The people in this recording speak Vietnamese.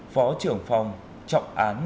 phó trưởng phòng trọng án